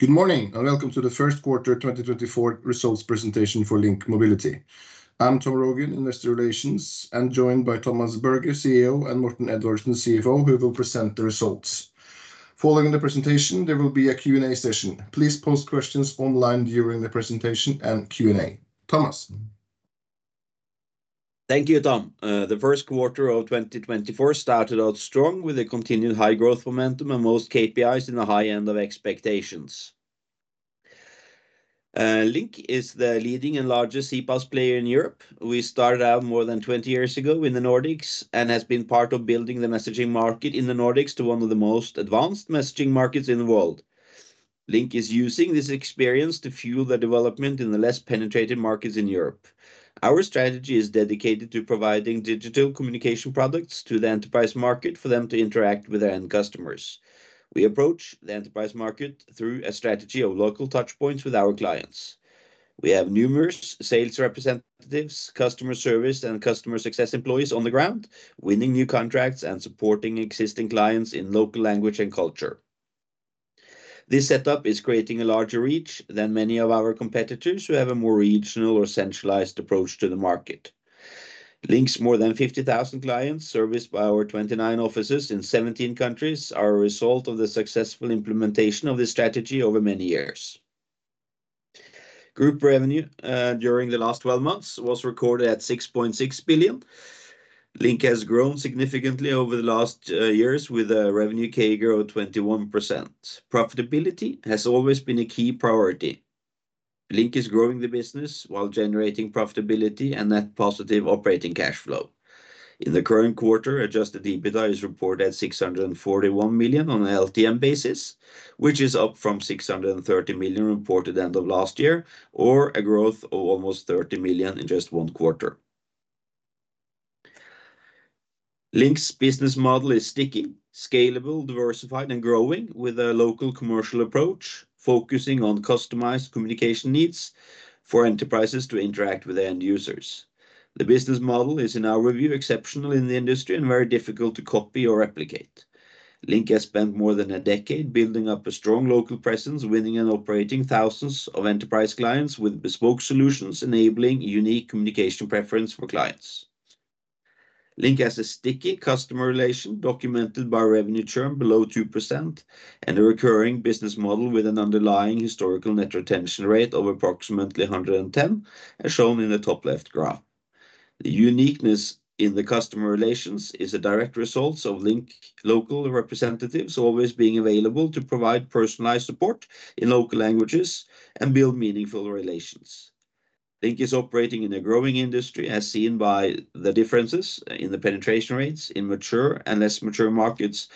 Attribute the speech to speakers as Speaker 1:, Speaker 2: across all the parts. Speaker 1: Good morning and welcome to the Q1 2024 results presentation for LINK Mobility. I'm Tom Rogn, Investor Relations, and joined by Thomas Berge, CEO, and Morten Edvardsen, CFO, who will present the results. Following the presentation, there will be a Q&A session. Please post questions online during the presentation and Q&A. Thomas?
Speaker 2: Thank you, Tom. The Q1 of 2024 started out strong with a continued high growth momentum and most KPIs in the high end of expectations. LINK is the leading and largest CPaaS player in Europe. We started out more than 20 years ago in the Nordics and have been part of building the messaging market in the Nordics to one of the most advanced messaging markets in the world. LINK is using this experience to fuel the development in the less penetrated markets in Europe. Our strategy is dedicated to providing digital communication products to the enterprise market for them to interact with their end customers. We approach the enterprise market through a strategy of local touchpoints with our clients. We have numerous sales representatives, customer service, and customer success employees on the ground, winning new contracts and supporting existing clients in local language and culture. This setup is creating a larger reach than many of our competitors who have a more regional or centralized approach to the market. LINK's more than 50,000 clients, serviced by our 29 offices in 17 countries, are a result of the successful implementation of this strategy over many years. Group revenue during the last 12 months was recorded at 6.6 billion. LINK has grown significantly over the last years with a revenue CAGR of 21%. Profitability has always been a key priority. LINK is growing the business while generating profitability and net positive operating cash flow. In the current quarter, adjusted EBITDA is reported at 641 million on an LTM basis, which is up from 630 million reported end of last year, or a growth of almost 30 million in just one quarter. LINK's business model is sticky, scalable, diversified, and growing with a local commercial approach focusing on customized communication needs for enterprises to interact with end users. The business model is, in our review, exceptional in the industry and very difficult to copy or replicate. LINK has spent more than a decade building up a strong local presence, winning and operating thousands of enterprise clients with bespoke solutions enabling unique communication preference for clients. LINK has a sticky customer relation documented by revenue churn below 2% and a recurring business model with an underlying historical net retention rate of approximately 110%, as shown in the top left graph. The uniqueness in the customer relations is a direct result of LINK's local representatives always being available to provide personalized support in local languages and build meaningful relations. LINK is operating in a growing industry, as seen by the differences in the penetration rates in mature and less mature markets,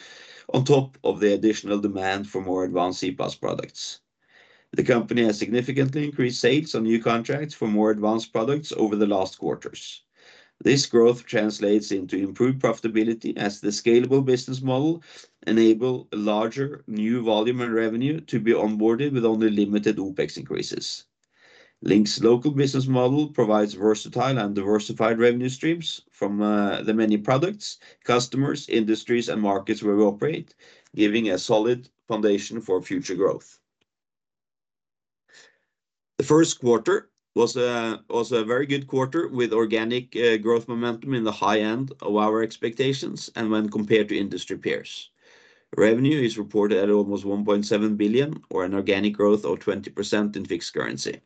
Speaker 2: on top of the additional demand for more advanced CPaaS products. The company has significantly increased sales on new contracts for more advanced products over the last quarters. This growth translates into improved profitability as the scalable business model enables a larger new volume and revenue to be onboarded with only limited OPEX increases. LINK's local business model provides versatile and diversified revenue streams from the many products, customers, industries, and markets where we operate, giving a solid foundation for future growth. The Q1 was a very good quarter with organic growth momentum in the high end of our expectations and when compared to industry peers. Revenue is reported at almost 1.7 billion, or an organic growth of 20% in fixed currency.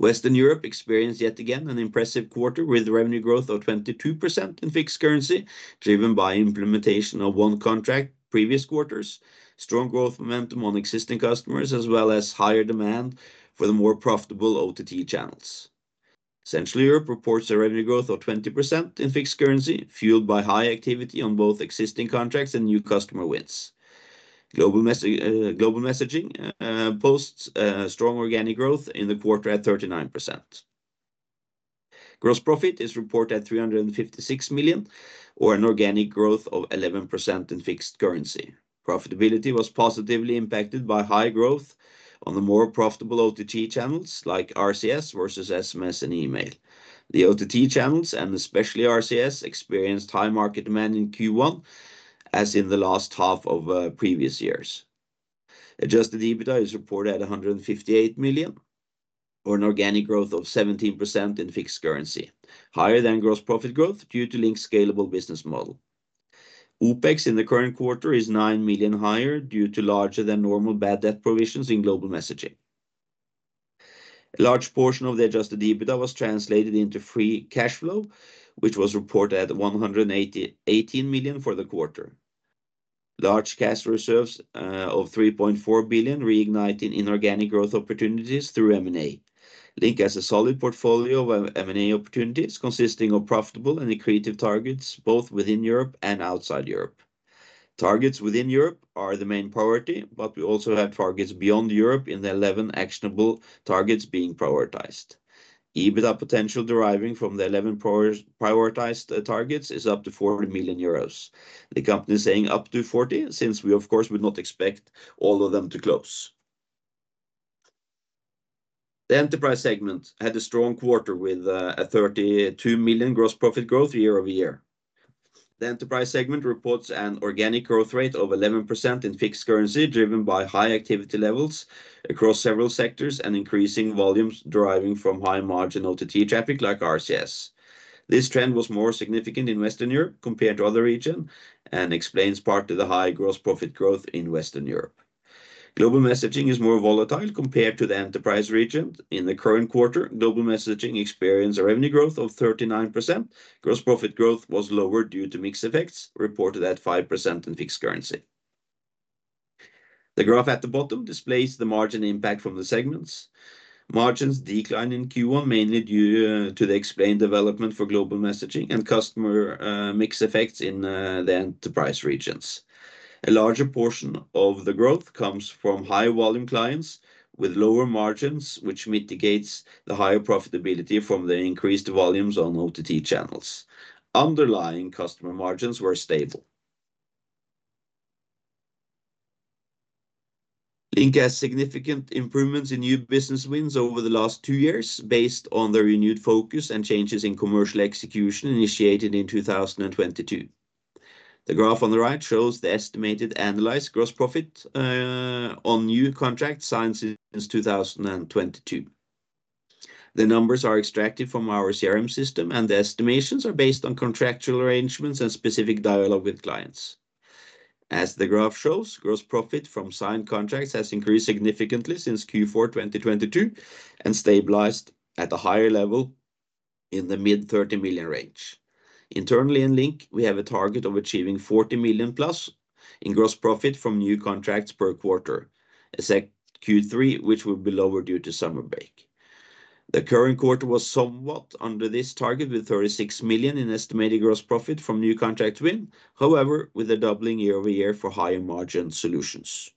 Speaker 2: Western Europe experienced yet again an impressive quarter with revenue growth of 22% in fixed currency driven by implementation of one contract previous quarters, strong growth momentum on existing customers, as well as higher demand for the more profitable OTT channels. Central Europe reports a revenue growth of 20% in fixed currency, fueled by high activity on both existing contracts and new customer wins. Global messaging posts strong organic growth in the quarter at 39%. Gross profit is reported at 356 million, or an organic growth of 11% in fixed currency. Profitability was positively impacted by high growth on the more profitable OTT channels like RCS versus SMS and email. The OTT channels, and especially RCS, experienced high market demand in Q1 as in the last half of previous years. Adjusted EBITDA is reported at 158 million, or an organic growth of 17% in fixed currency, higher than gross profit growth due to LINK's scalable business model. OPEX in the current quarter is 9 million higher due to larger-than-normal bad debt provisions in global messaging. A large portion of the adjusted EBITDA was translated into free cash flow, which was reported at 118 million for the quarter. Large cash reserves, of 3.4 billion reignited inorganic growth opportunities through M&A. LINK has a solid portfolio of M&A opportunities consisting of profitable and creative targets both within Europe and outside Europe. Targets within Europe are the main priority, but we also have targets beyond Europe in the 11 actionable targets being prioritized. EBITDA potential deriving from the 11 prioritized targets is up to 40 million euros, the company saying up to 40 since we, of course, would not expect all of them to close. The enterprise segment had a strong quarter with a 32 million gross profit growth year-over-year. The enterprise segment reports an organic growth rate of 11% in fixed currency driven by high activity levels across several sectors and increasing volumes deriving from high margin OTT traffic like RCS. This trend was more significant in Western Europe compared to other regions and explains part of the high gross profit growth in Western Europe. Global messaging is more volatile compared to the enterprise region. In the current quarter, global messaging experienced a revenue growth of 39%. Gross profit growth was lower due to mixed effects, reported at 5% in fixed currency. The graph at the bottom displays the margin impact from the segments. Margins decline in Q1 mainly due to the explained development for global messaging and customer mix effects in the enterprise regions. A larger portion of the growth comes from high volume clients with lower margins, which mitigates the higher profitability from the increased volumes on OTT channels. Underlying customer margins were stable. LINK has significant improvements in new business wins over the last two years based on the renewed focus and changes in commercial execution initiated in 2022. The graph on the right shows the estimated annualized gross profit, on new contract signed since 2022. The numbers are extracted from our CRM system, and the estimations are based on contractual arrangements and specific dialogue with clients. As the graph shows, gross profit from signed contracts has increased significantly since Q4 2022 and stabilized at a higher level in the mid-NOK 30 million range. Internally in LINK, we have a target of achieving 40 million plus in gross profit from new contracts per quarter, except Q3, which will be lower due to summer break. The current quarter was somewhat under this target with 36 million in estimated gross profit from new contract win, however, with a doubling year-over-year for higher margin solutions.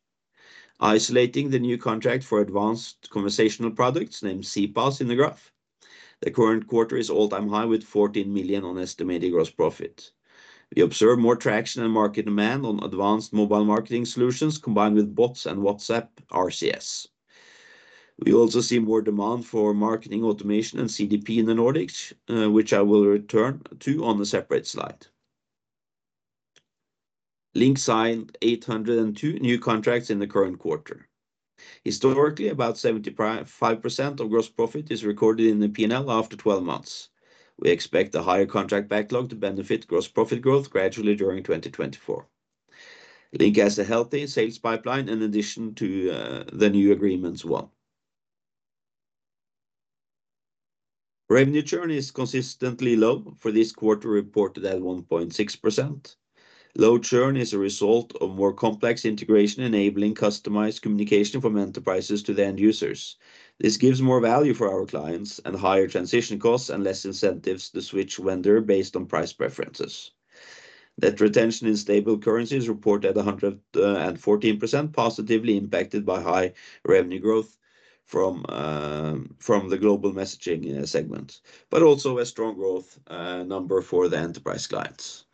Speaker 2: Isolating the new contract for advanced conversational products named CPaaS in the graph, the current quarter is all-time high with 14 million on estimated gross profit. We observe more traction and market demand on advanced mobile marketing solutions combined with bots and WhatsApp, RCS. We also see more demand for marketing automation and CDP in the Nordics, which I will return to on a separate slide. LINK signed 802 new contracts in the current quarter. Historically, about 75% of gross profit is recorded in the P&L after 12 months. We expect a higher contract backlog to benefit gross profit growth gradually during 2024. LINK has a healthy sales pipeline in addition to the new agreements won. Revenue churn is consistently low for this quarter, reported at 1.6%. Low churn is a result of more complex integration enabling customized communication from enterprises to the end users. This gives more value for our clients and higher transition costs and less incentives to switch vendor based on price preferences. Net retention in stable currencies reported at 114%, positively impacted by high revenue growth from the global messaging segment, but also a strong growth number for the enterprise clients.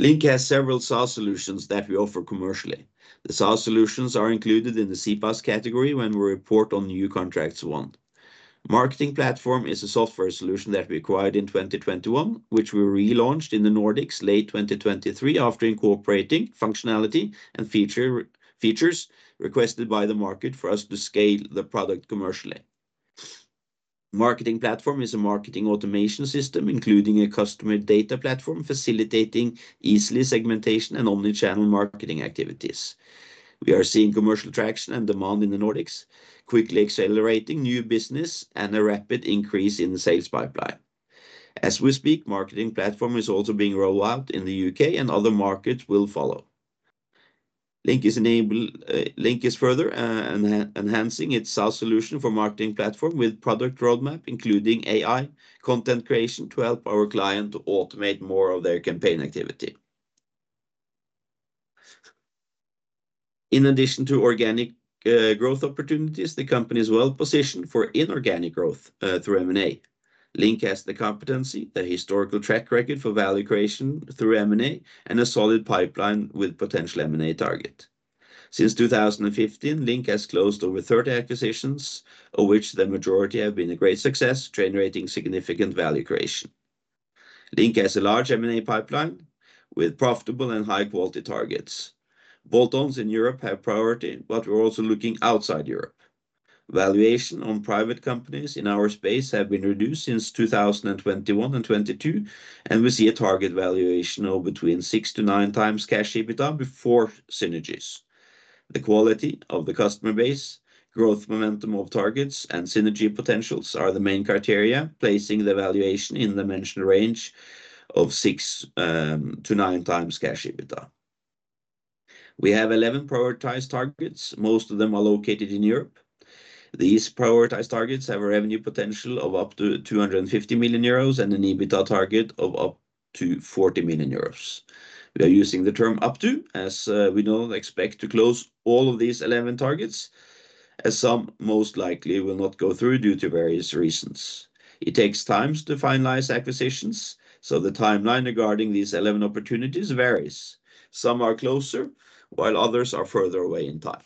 Speaker 2: LINK has several SaaS solutions that we offer commercially. The SaaS solutions are included in the CPaaS category when we report on new contracts won. Marketing Platform is a software solution that we acquired in 2021, which we relaunched in the Nordics late 2023 after incorporating functionality and features requested by the market for us to scale the product commercially. Marketing Platform is a marketing automation system including a customer data platform facilitating easily segmentation and omnichannel marketing activities. We are seeing commercial traction and demand in the Nordics, quickly accelerating new business and a rapid increase in the sales pipeline. As we speak, Marketing Platform is also being rolled out in the UK, and other markets will follow. LINK is further enhancing its SaaS solution for marketing platform with product roadmap including AI content creation to help our client to automate more of their campaign activity. In addition to organic, growth opportunities, the company is well positioned for inorganic growth, through M&A. LINK has the competency, the historical track record for value creation through M&A, and a solid pipeline with potential M&A target. Since 2015, LINK has closed over 30 acquisitions, of which the majority have been a great success, generating significant value creation. LINK has a large M&A pipeline with profitable and high-quality targets. Bolt-ons in Europe have priority, but we're also looking outside Europe. Valuation on private companies in our space has been reduced since 2021 and 2022, and we see a target valuation of between 6-9 times cash EBITDA before synergies. The quality of the customer base, growth momentum of targets, and synergy potentials are the main criteria, placing the valuation in the mentioned range of 6x to 9x cash EBITDA. We have 11 prioritized targets, most of them are located in Europe. These prioritized targets have a revenue potential of up to NOK 250 million and an EBITDA target of up to NOK 40 million. We are using the term "up to," as we don't expect to close all of these 11 targets, as some most likely will not go through due to various reasons. It takes times to finalize acquisitions, so the timeline regarding these 11 opportunities varies. Some are closer, while others are further away in time.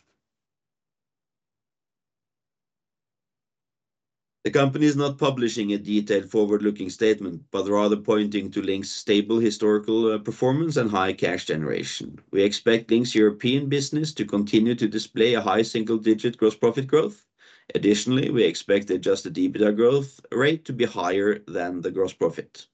Speaker 2: The company is not publishing a detailed forward-looking statement, but rather pointing to LINK's stable historical performance and high cash generation. We expect LINK's European business to continue to display a high single-digit gross profit growth. Additionally, we expect adjusted EBITDA growth rate to be higher than the gross profit.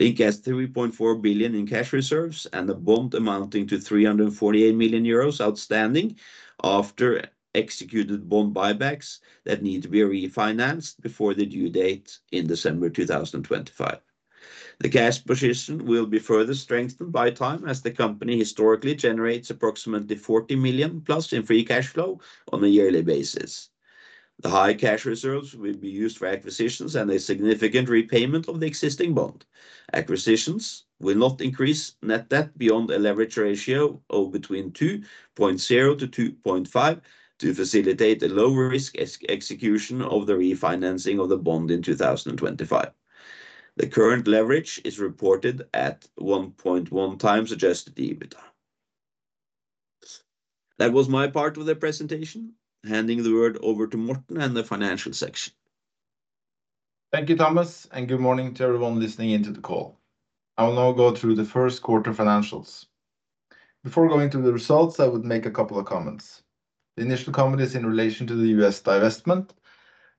Speaker 2: LINK has 3.4 billion in cash reserves and a bond amounting to NOK 348 million outstanding after executed bond buybacks that need to be refinanced before the due date in December 2025. The cash position will be further strengthened by time as the company historically generates approximately 40 million+ in free cash flow on a yearly basis. The high cash reserves will be used for acquisitions and a significant repayment of the existing bond. Acquisitions will not increase net debt beyond a leverage ratio of between 2.0 to 2.5 to facilitate a lower-risk execution of the refinancing of the bond in 2025. The current leverage is reported at 1.1 times adjusted EBITDA. That was my part of the presentation, handing the word over to Morten and the financial section.
Speaker 3: Thank you, Thomas, and good morning to everyone listening into the call. I will now go through the Q1 financials. Before going to the results, I would make a couple of comments. The initial comment is in relation to the US divestment.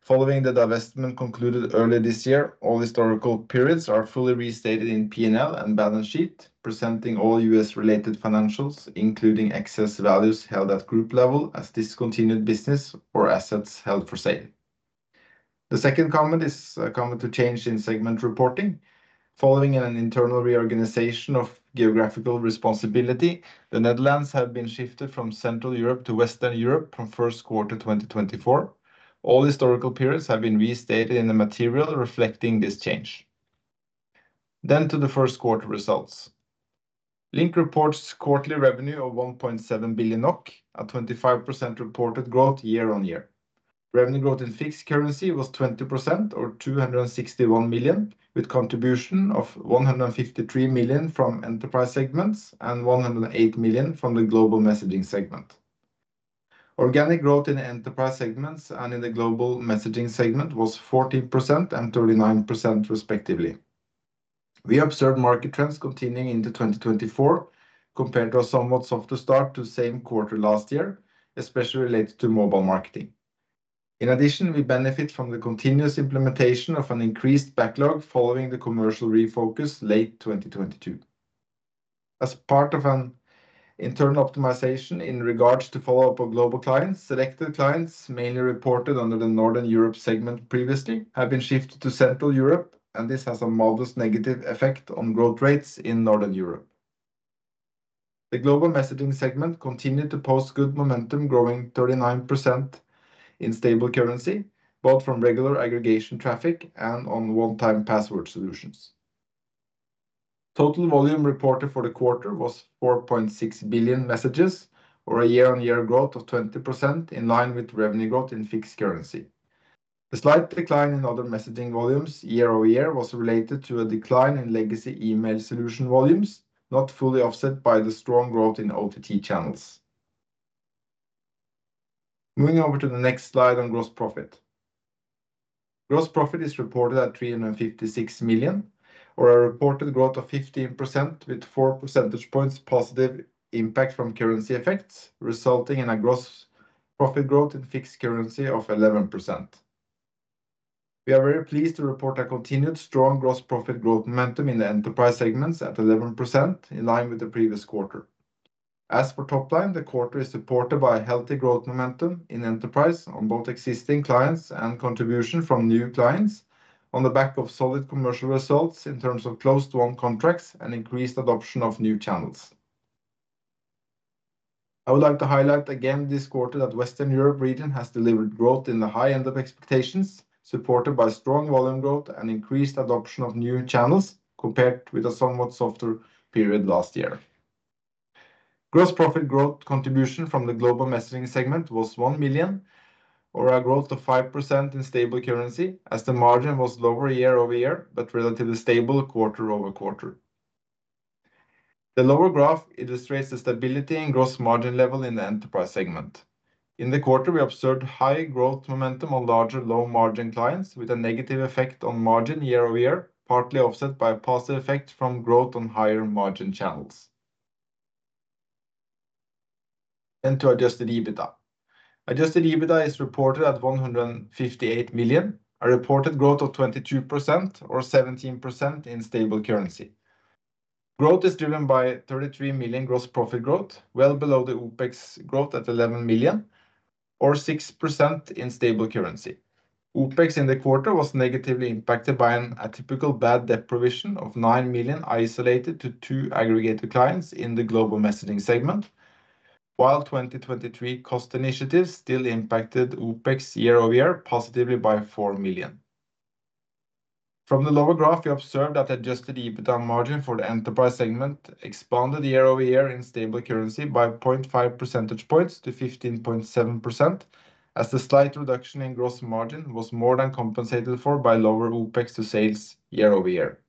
Speaker 3: Following the divestment concluded earlier this year, all historical periods are fully restated in P&L and balance sheet, presenting all US-related financials, including excess values held at group level as discontinued business or assets held for sale. The second comment is a comment to change in segment reporting. Following an internal reorganization of geographical responsibility, the Netherlands have been shifted from Central Europe to Western Europe from Q1 2024. All historical periods have been restated in the material reflecting this change. Then to the Q1 results. LINK reports quarterly revenue of 1.7 billion NOK, a 25% reported growth year on year. Revenue growth in fixed currency was 20% or 261 million, with contribution of 153 million from enterprise segments and 108 million from the global messaging segment. Organic growth in the enterprise segments and in the global messaging segment was 14% and 39% respectively. We observe market trends continuing into 2024 compared to a somewhat softer start to same quarter last year, especially related to mobile marketing. In addition, we benefit from the continuous implementation of an increased backlog following the commercial refocus late 2022. As part of an internal optimization in regards to follow-up of global clients, selected clients mainly reported under the Northern Europe segment previously have been shifted to Central Europe, and this has a modest negative effect on growth rates in Northern Europe. The global messaging segment continued to post good momentum, growing 39% in stable currency both from regular aggregation traffic and on one-time password solutions. Total volume reported for the quarter was 4.6 billion messages, or a year-over-year growth of 20% in line with revenue growth in fixed currency. The slight decline in other messaging volumes year-over-year was related to a decline in legacy email solution volumes, not fully offset by the strong growth in OTT channels. Moving over to the next slide on gross profit. Gross profit is reported at 356 million, or a reported growth of 15% with four percentage points positive impact from currency effects, resulting in a gross profit growth in fixed currency of 11%. We are very pleased to report a continued strong gross profit growth momentum in the enterprise segments at 11% in line with the previous quarter. As for top line, the quarter is supported by a healthy growth momentum in enterprise on both existing clients and contribution from new clients on the back of solid commercial results in terms of close-to-one contracts and increased adoption of new channels. I would like to highlight again this quarter that Western Europe region has delivered growth in the high end of expectations, supported by strong volume growth and increased adoption of new channels compared with a somewhat softer period last year. Gross profit growth contribution from the global messaging segment was 1 million, or a growth of 5% in stable currency as the margin was lower year-over-year but relatively stable quarter-over-quarter. The lower graph illustrates the stability and gross margin level in the enterprise segment. In the quarter, we observed high growth momentum on larger low-margin clients with a negative effect on margin year-over-year, partly offset by a positive effect from growth on higher margin channels. Then to adjusted EBITDA. Adjusted EBITDA is reported at 158 million, a reported growth of 22% or 17% in stable currency. Growth is driven by 33 million gross profit growth, well below the OPEX growth at 11 million, or 6% in stable currency. OPEX in the quarter was negatively impacted by an atypical bad debt provision of 9 million isolated to two aggregated clients in the global messaging segment, while 2023 cost initiatives still impacted OPEX year-over-year positively by 4 million. From the lower graph, we observed that adjusted EBITDA margin for the enterprise segment expanded year-over-year in stable currency by 0.5% points to 15.7% as the slight reduction in gross margin was more than compensated for by lower OPEX to sales year-over-year.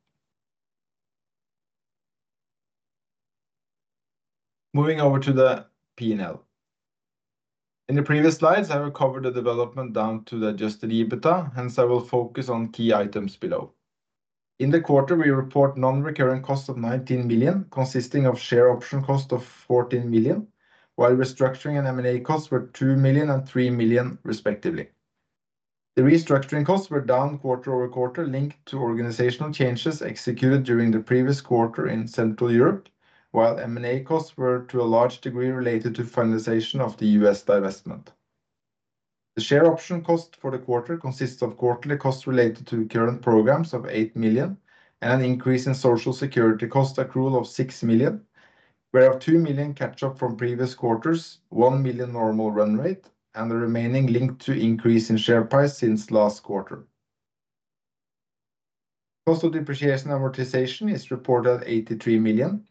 Speaker 3: Moving over to the P&L. In the previous slides, I have covered the development down to the adjusted EBITDA, hence I will focus on key items below. In the quarter, we report non-recurring costs of 19 million, consisting of share option cost of 14 million, while restructuring and M&A costs were 2 million and 3 million respectively. The restructuring costs were down quarter-over-quarter linked to organizational changes executed during the previous quarter in Central Europe, while M&A costs were to a large degree related to finalization of the U.S. divestment. The share option cost for the quarter consists of quarterly costs related to current programs of 8 million and an increase in social security cost accrual of 6 million, whereof 2 million catch-up from previous quarters, 1 million normal run rate, and the remaining linked to increase in share price since last quarter. Cost of depreciation amortization is reported at 83 million,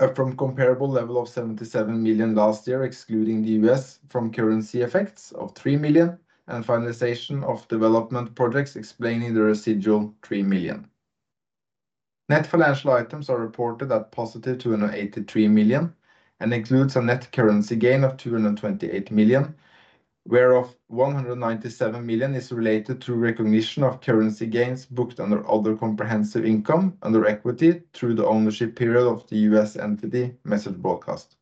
Speaker 3: a comparable level of 77 million last year excluding the US from currency effects of 3 million and finalization of development projects explaining the residual 3 million. Net financial items are reported at positive 283 million and include a net currency gain of 228 million, whereof 197 million is related to recognition of currency gains booked under other comprehensive income under equity through the ownership period of the US entity Message Broadcast.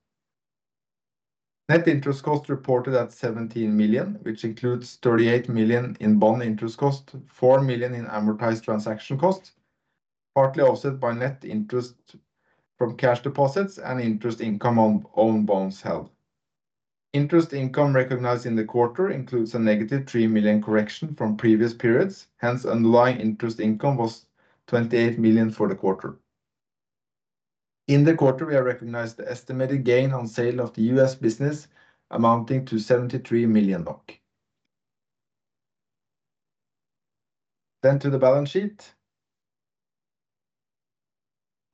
Speaker 3: Net interest cost reported at 17 million, which includes 38 million in bond interest cost, 4 million in amortized transaction cost, partly offset by net interest from cash deposits and interest income on owned bonds held. Interest income recognized in the quarter includes a -3 million correction from previous periods, hence underlying interest income was 28 million for the quarter. In the quarter, we have recognized the estimated gain on sale of the US business amounting to 73 million NOK. Then to the balance sheet.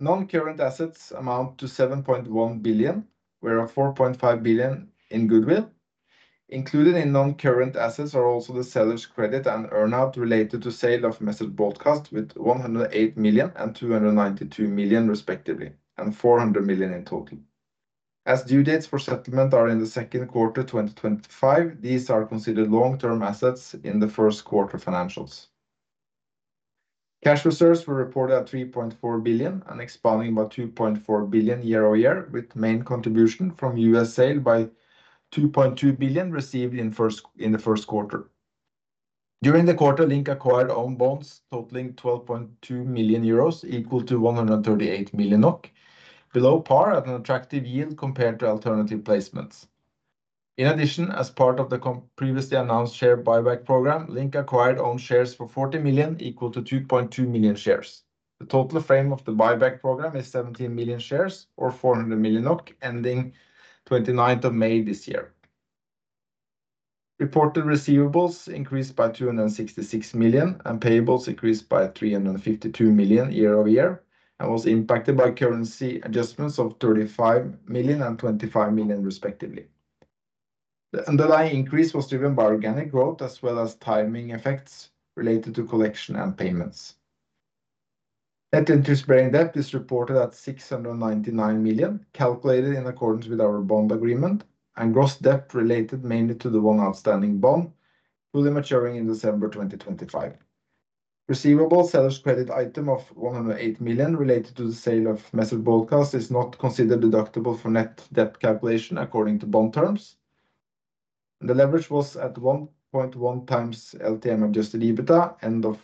Speaker 3: Non-current assets amount to 7.1 billion, whereof 4.5 billion in goodwill. Included in non-current assets are also the seller's credit and earnout related to sale of Message Broadcast with 108 million and 292 million respectively, and 400 million in total. As due dates for settlement are in the Q2 2025, these are considered long-term assets in the Q1 financials. Cash reserves were reported at 3.4 billion and expanding by 2.4 billion year-over-year, with main contribution from US sale by 2.2 billion received in the Q1. During the quarter, LINK acquired owned bonds totaling NOK 12.2 million, equal to 138 million NOK, below par at an attractive yield compared to alternative placements. In addition, as part of the previously announced share buyback program, LINK acquired owned shares for 40 million, equal to 2.2 million shares. The total frame of the buyback program is 17 million shares, or 400 million NOK, ending 29th of May this year. Reported receivables increased by 266 million and payables increased by 352 million year-over-year and was impacted by currency adjustments of 35 million and 25 million respectively. The underlying increase was driven by organic growth as well as timing effects related to collection and payments. Net interest bearing debt is reported at 699 million, calculated in accordance with our bond agreement, and gross debt related mainly to the one outstanding bond fully maturing in December 2025. Receivable seller's credit item of 108 million related to the sale of Message Broadcast is not considered deductible for net debt calculation according to bond terms. The leverage was at 1.1 times LTM adjusted EBITDA end of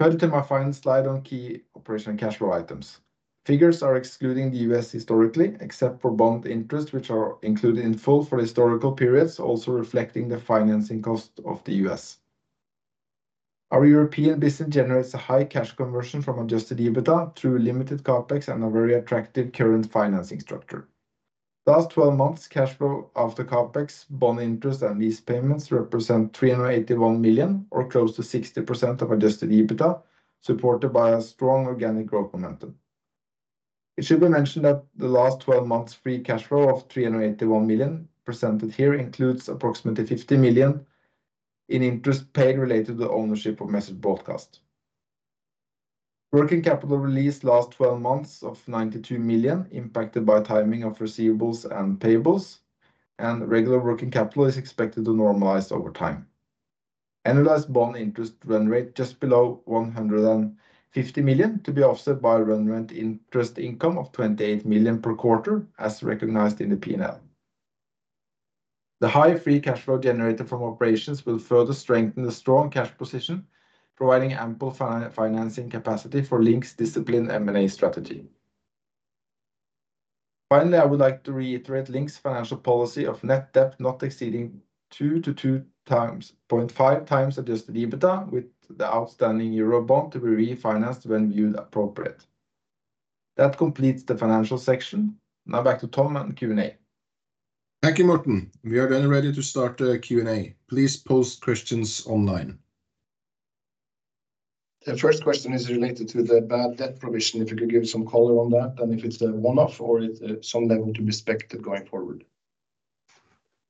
Speaker 3: Q1. Head to my final slide on key operational cash flow items. Figures are excluding the US historically, except for bond interest, which are included in full for historical periods, also reflecting the financing cost of the US Our European business generates a high cash conversion from adjusted EBITDA through limited CapEx and a very attractive current financing structure. Last 12 months' cash flow after CapEx, bond interest, and lease payments represent 381 million, or close to 60% of adjusted EBITDA, supported by a strong organic growth momentum. It should be mentioned that the last 12 months' free cash flow of 381 million presented here includes approximately 50 million in interest paid related to the ownership of Message Broadcast. Working capital released last 12 months of 92 million, impacted by timing of receivables and payables, and regular working capital is expected to normalize over time. Annualized bond interest run rate just below 150 million to be offset by recurring interest income of 28 million per quarter as recognized in the P&L. The high free cash flow generated from operations will further strengthen the strong cash position, providing ample financing capacity for LINK's disciplined M&A strategy. Finally, I would like to reiterate LINK's financial policy of net debt not exceeding 2 to 2.5 times adjusted EBITDA, with the outstanding euro bond to be refinanced when viewed appropriate. That completes the financial section. Now back to Tom and Q&A.
Speaker 1: Thank you, Morten. We are then ready to start Q&A. Please post questions online. The first question is related to the bad debt provision. If you could give some color on that and if it's a one-off or some level to be expected going forward.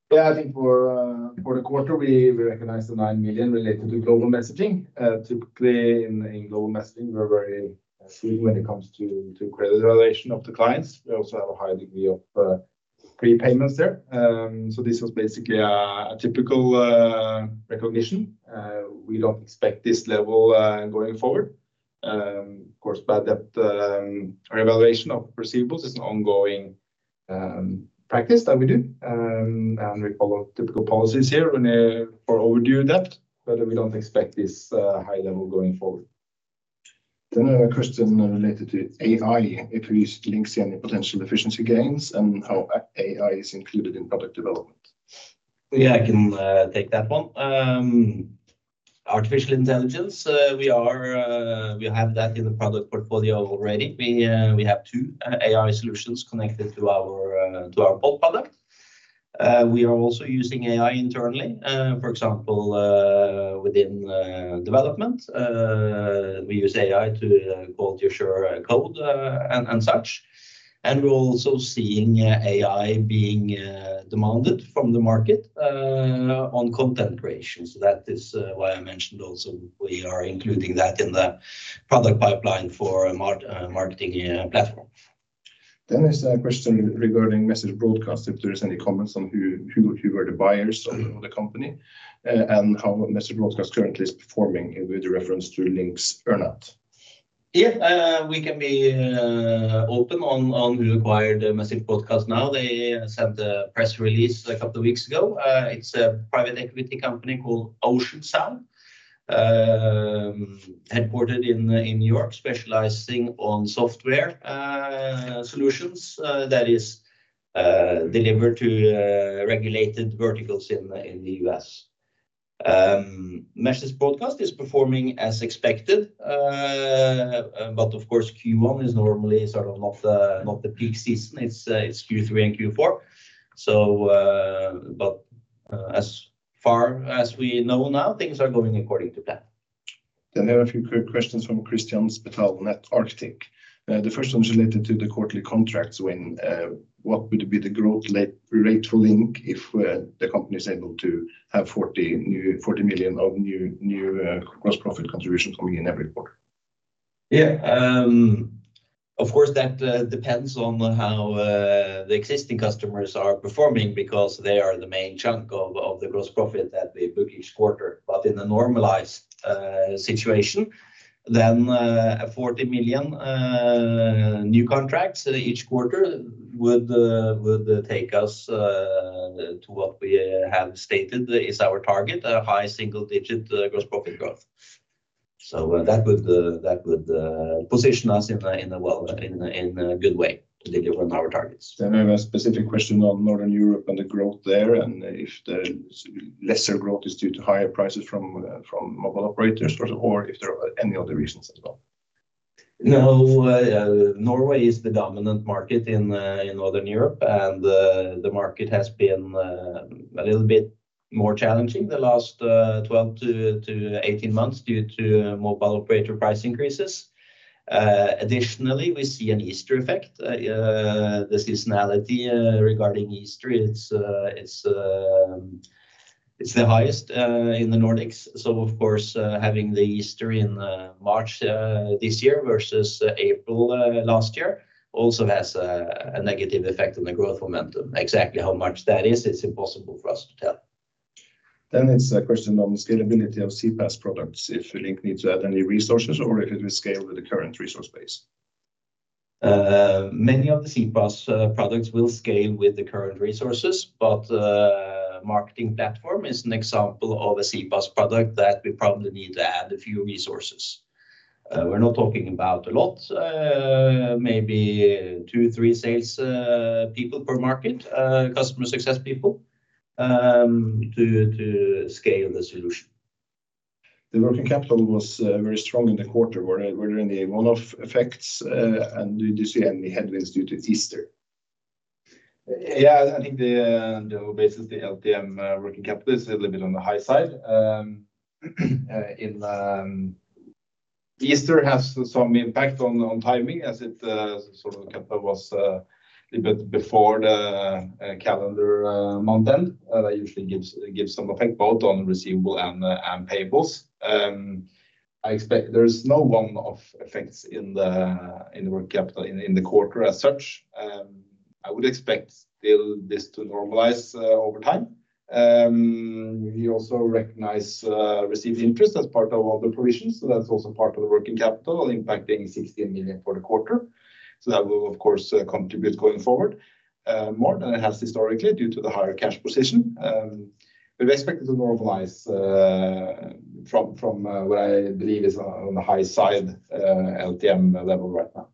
Speaker 2: Yeah, I think for the quarter, we recognized the 9 million related to global messaging. Typically, in global messaging, we're very good when it comes to credit evaluation of the clients. We also have a high degree of prepayments there. So this was basically a typical recognition. We don't expect this level going forward. Of course, bad debt or evaluation of receivables is an ongoing practice that we do, and we follow typical policies here for overdue debt, but we don't expect this high level going forward. .
Speaker 1: Then another question related to AI, if we use LINK's potential efficiency gains and how AI is included in product development.
Speaker 2: Yeah, I can take that one. Artificial intelligence, we have that in the product portfolio already. We have two AI solutions connected to our product. We are also using AI internally, for example, within development. We use AI to code your source code and such. And we're also seeing AI being demanded from the market on content creation. So that is why I mentioned also we are including that in the product pipeline for a marketing platform.
Speaker 1: Then there's a question regarding Message Broadcast if there are any comments on who were the buyers of the company and how Message Broadcast currently is performing with reference to LINKs earnout.
Speaker 2: Yeah, we can be open on who acquired Message Broadcast now. They sent a press release a couple of weeks ago. It's a private equity company called OceanSound, headquartered in New York, specializing on software solutions that is delivered to regulated verticals in the US. Message Broadcast is performing as expected, but of course, Q1 is normally sort of not the peak season. It's Q3 and Q4. But as far as we know now, things are going according to plan.
Speaker 1: Then I have a few quick questions from Kristian Spetalen, Arctic Securities. The first one is related to the quarterly contracts. What would be the growth rate for LINK if the company is able to have 40 million of new gross profit contribution coming in every quarter?
Speaker 2: Yeah. Of course, that depends on how the existing customers are performing because they are the main chunk of the gross profit that we book each quarter. But in a normalized situation, then 40 million new contracts each quarter would take us to what we have stated is our target, a high single-digit gross profit growth. So that would position us in a good way to deliver on our targets.
Speaker 1: Then I have a specific question on Northern Europe and the growth there, and if the lesser growth is due to higher prices from mobile operators or if there are any other reasons as well.
Speaker 2: No, Norway is the dominant market in Northern Europe, and the market has been a little bit more challenging the last 12 to 18 months due to mobile operator price increases. Additionally, we see an Easter effect, the seasonality regarding Easter. It's the highest in the Nordics. So of course, having the Easter in March this year versus April last year also has a negative effect on the growth momentum. Exactly how much that is, it's impossible for us to tell.
Speaker 1: Then it's a question on the scalability of CPaaS products if LINK needs to add any resources or if it will scale with the current resource base.
Speaker 2: Many of the CPaaS products will scale with the current resources, but Marketing Platform is an example of a CPaaS product that we probably need to add a few resources. We're not talking about a lot, maybe 2, 3 sales people per market, customer success people, to scale the solution.
Speaker 1: The working capital was very strong in the quarter. Were there any one-off effects, and did you see any headwinds due to Easter?
Speaker 2: Yeah, I think basically LTM working capital is a little bit on the high side. Easter has some impact on timing as it sort of was a little bit before the calendar month end. That usually gives some effect both on receivable and payables. There's no one-off effects in the working capital in the quarter as such. I would expect still this to normalize over time. We also recognize received interest as part of all the provisions. So that's also part of the working capital impacting 16 million for the quarter. So that will, of course, contribute going forward more than it has historically due to the higher cash position. We're expected to normalize from what I believe is on the high side LTM level right now.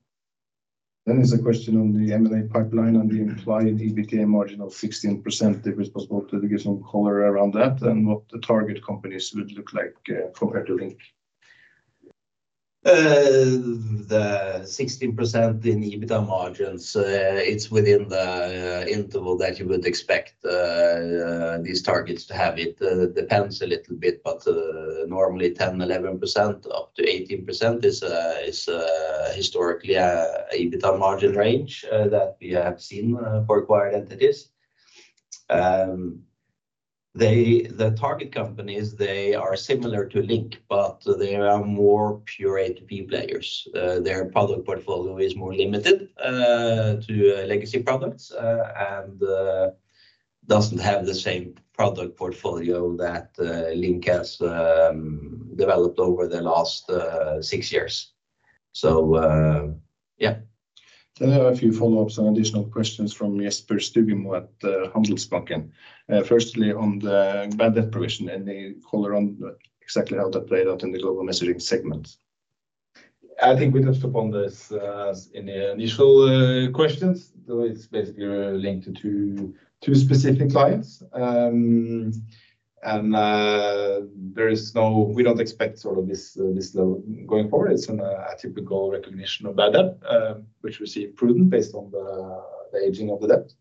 Speaker 1: Then there's a question on the M&A pipeline on the implied EBITDA marginal 16%. If it's possible to give some color around that and what the target companies would look like compared to LINK?
Speaker 2: The 16% in EBITDA margins, it's within the interval that you would expect these targets to have it. It depends a little bit, but normally 10%-11%, up to 18% is historically an EBITDA margin range that we have seen for acquired entities. The target companies, they are similar to LINK, but they are more pure A2P players. Their product portfolio is more limited to legacy products and doesn't have the same product portfolio that LINK has developed over the last six years. So yeah.
Speaker 1: Then I have a few follow-ups and additional questions from Jesper Stugemo at Handelsbanken. Firstly, on the bad debt provision, any color on exactly how that played out in the global messaging segment?
Speaker 2: I think we touched upon this in the initial questions. It's basically linked to two specific clients. And there is no, we don't expect sort of this level going forward. It's an atypical recognition of bad debt, which we see improved based on the aging of the debt.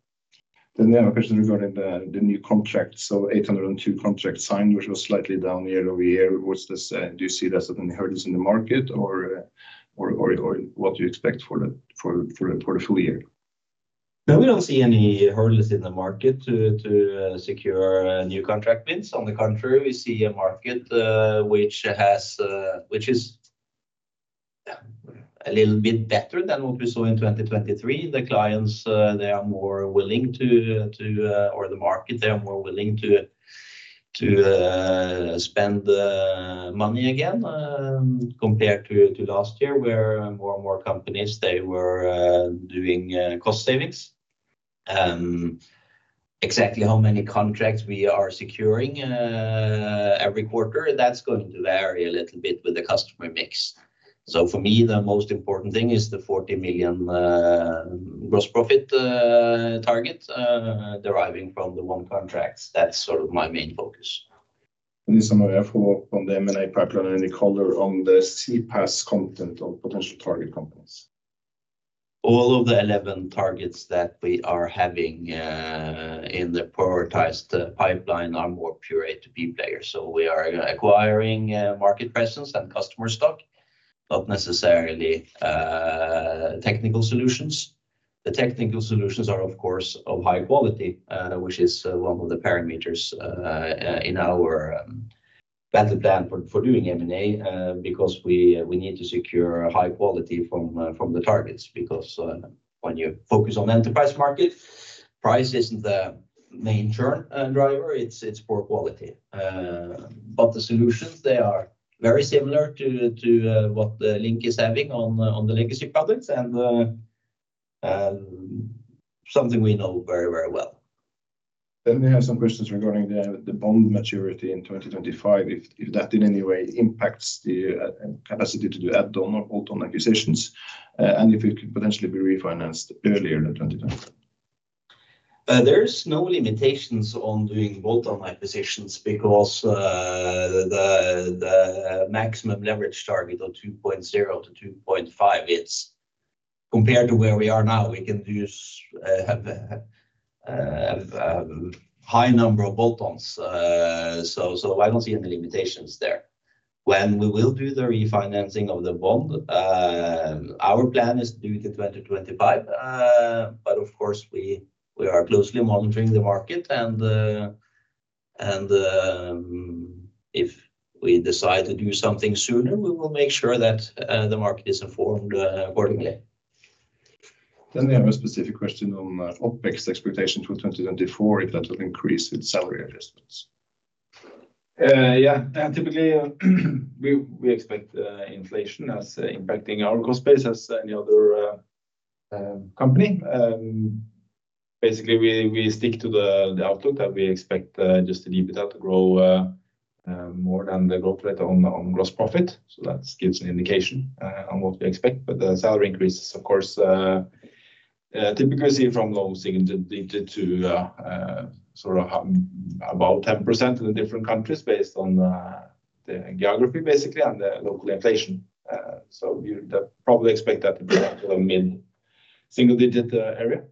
Speaker 1: Then I have a question regarding the new contracts. So 802 contracts signed, which was slightly down year-over-year. Do you see that as any hurdles in the market or what do you expect for the full year?
Speaker 2: No, we don't see any hurdles in the market to secure new contract wins. On the contrary, we see a market which is a little bit better than what we saw in 2023. The clients, they are more willing to or the market, they are more willing to spend money again compared to last year where more and more companies, they were doing cost savings. Exactly how many contracts we are securing every quarter, that's going to vary a little bit with the customer mix. So for me, the most important thing is the 40 million gross profit target deriving from the one contracts. That's sort of my main focus.
Speaker 1: Any summary or follow-up on the M&A pipeline or any color on the CPaaS content of potential target companies?
Speaker 2: All of the 11 targets that we are having in the prioritized pipeline are more pure A2P players. So we are acquiring market presence and customer stock, not necessarily technical solutions. The technical solutions are, of course, of high quality, which is one of the parameters in our battle plan for doing M&A because we need to secure high quality from the targets. Because when you focus on enterprise market, price isn't the main churn driver. It's poor quality. But the solutions, they are very similar to what LINK is having on the legacy products and something we know very, very well.
Speaker 1: Then we have some questions regarding the bond maturity in 2025, if that in any way impacts the capacity to do add-on or bolt-on acquisitions, and if it could potentially be refinanced earlier than 2025.
Speaker 2: There's no limitations on doing bolt-on acquisitions because the maximum leverage target of 2.0 to 2.5, compared to where we are now, we can use a high number of bolt-ons. So I don't see any limitations there. When we will do the refinancing of the bond, our plan is to do it in 2025. But of course, we are closely monitoring the market. And if we decide to do something sooner, we will make sure that the market is informed accordingly.
Speaker 1: Then we have a specific question on OPEX expectations for 2024, if that will increase with salary adjustments.
Speaker 2: Yeah, typically, we expect inflation as impacting our cost base as any other company. Basically, we stick to the outlook that we expect just the EBITDA to grow more than the growth rate on gross profit. So that gives an indication on what we expect. But the salary increases, of course, typically see from low single digit to sort of about 10% in different countries based on the geography, basically, and the local inflation. So you'd probably expect that to be sort of mid single digit area.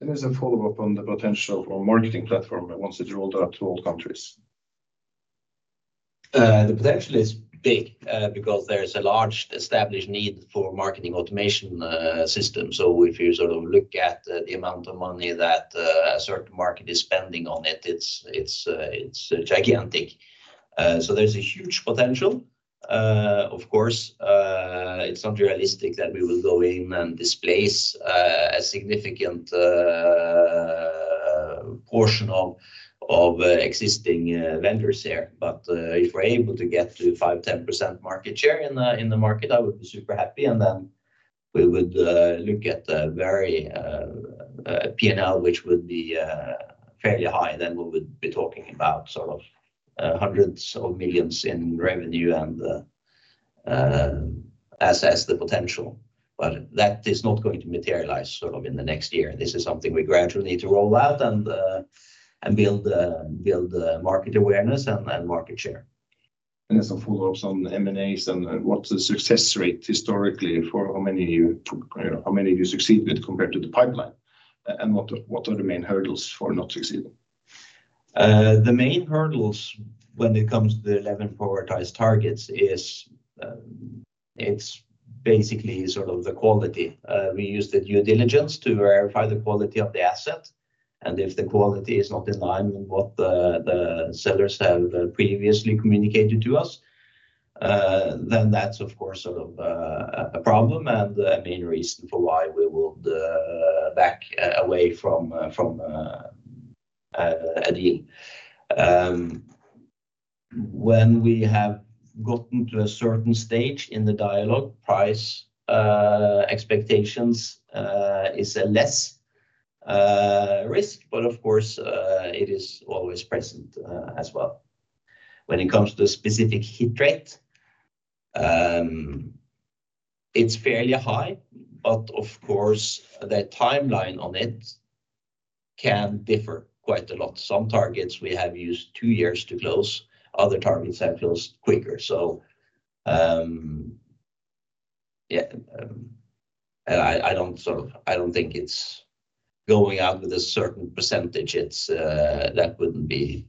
Speaker 1: Then there's a follow-up on the potential for marketing platform once it's rolled out to all countries.
Speaker 2: The potential is big because there's a large established need for marketing automation systems. So if you sort of look at the amount of money that a certain market is spending on it, it's gigantic. So there's a huge potential. Of course, it's not realistic that we will go in and displace a significant portion of existing vendors here. But if we're able to get to 5% to 10% market share in the market, I would be super happy. And then we would look at a very P&L which would be fairly high. Then we would be talking about sort of hundreds of millions in revenue and assess the potential. But that is not going to materialize sort of in the next year. This is something we gradually need to roll out and build market awareness and market share.
Speaker 1: Then there's some follow-ups on M&As and what's the success rate historically for how many you succeed with compared to the pipeline? And what are the main hurdles for not succeeding?
Speaker 2: The main hurdles when it comes to the 11 prioritized targets is it's basically sort of the quality. We used the due diligence to verify the quality of the asset. And if the quality is not in line with what the sellers have previously communicated to us, then that's, of course, sort of a problem and a main reason for why we would back away from a deal. When we have gotten to a certain stage in the dialogue, price expectations is a less risk. But of course, it is always present as well. When it comes to the specific hit rate, it's fairly high. But of course, the timeline on it can differ quite a lot. Some targets we have used two years to close, other targets have closed quicker. So yeah, I don't think it's going out with a certain percentage. That wouldn't be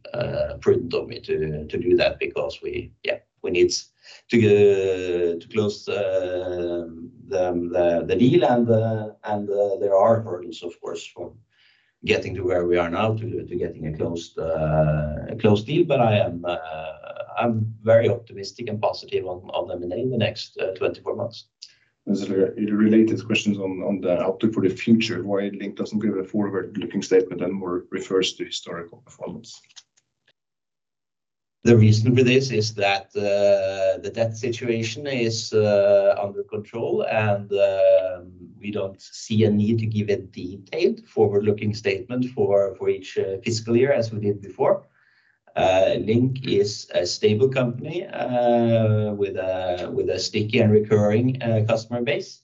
Speaker 2: prudent of me to do that because yeah, we need to close the deal. And there are hurdles, of course, from getting to where we are now to getting a closed deal. But I'm very optimistic and positive on M&A in the next 24 months.
Speaker 1: There's a related question on the outlook for the future. Why LINK doesn't give a forward-looking statement and more refers to historical performance?
Speaker 2: The reason for this is that the debt situation is under control, and we don't see a need to give a detailed forward-looking statement for each fiscal year as we did before. LINK is a stable company with a sticky and recurring customer base.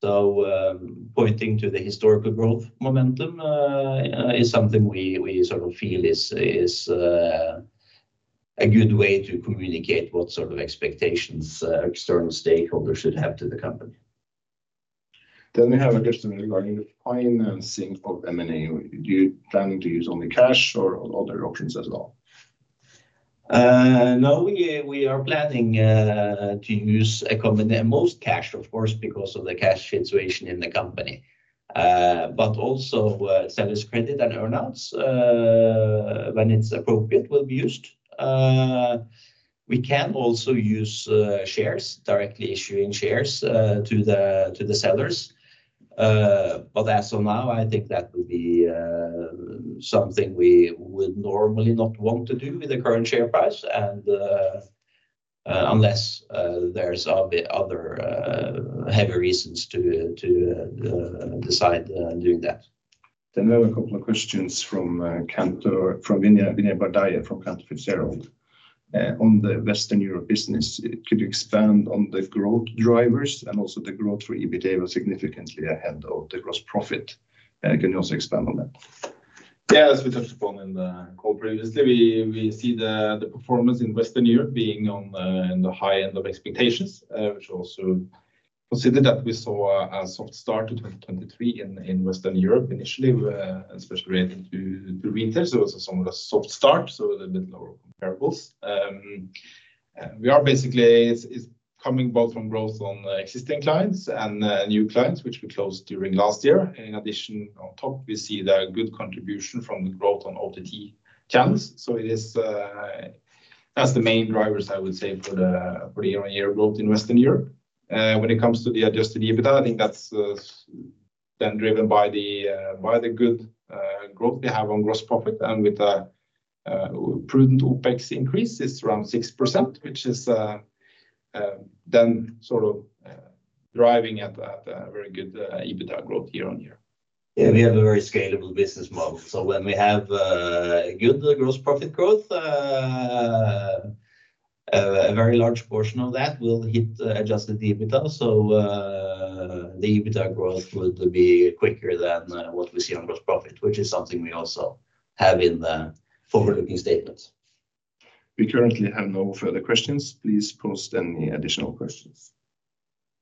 Speaker 2: So pointing to the historical growth momentum is something we sort of feel is a good way to communicate what sort of expectations external stakeholders should have to the company.
Speaker 1: Then we have a question regarding the financing of M&A. Do you plan to use only cash or other options as well?
Speaker 2: No, we are planning to use most cash, of course, because of the cash situation in the company. But also sellers' credit and earnouts when it's appropriate will be used. We can also use shares, directly issuing shares to the sellers. But as of now, I think that will be something we would normally not want to do with the current share price unless there's other heavy reasons to decide doing that.
Speaker 1: Then we have a couple of questions from Vinay Bardaya from Cantor Fitzgerald on the Western Europe business. Could you expand on the growth drivers and also the growth for EBITDA significantly ahead of the gross profit? Can you also expand on that?
Speaker 2: Yeah, as we touched upon in the call previously, we see the performance in Western Europe being on the high end of expectations, which also considered that we saw a soft start to 2023 in Western Europe initially, especially related to retail. So it was a somewhat soft start, so a bit lower comparables. We are basically coming both from growth on existing clients and new clients, which we closed during last year. In addition, on top, we see a good contribution from the growth on OTT channels. So that's the main drivers, I would say, for the year-on-year growth in Western Europe. When it comes to the adjusted EBITDA, I think that's then driven by the good growth we have on gross profit. With a prudent OpEx increase, it's around 6%, which is then sort of driving at a very good EBITDA growth year-on-year. Yeah, we have a very scalable business model. So when we have good gross profit growth, a very large portion of that will hit adjusted EBITDA. So the EBITDA growth would be quicker than what we see on gross profit, which is something we also have in the forward-looking statements.
Speaker 1: We currently have no further questions. Please post any additional questions.